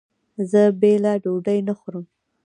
زه بېله ډوډۍ نه خورم.